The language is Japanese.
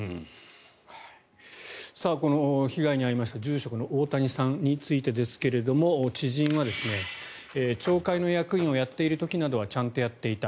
この、被害に遭いました住職の大谷さんについてですが知人は町会の役員をやっている時などはちゃんとやっていた。